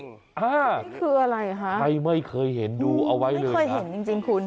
นี่คืออะไรคะไม่เคยเห็นจริงคุณ